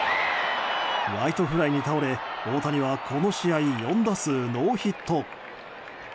ライトフライに倒れ、大谷はこの試合４打数ノーヒット。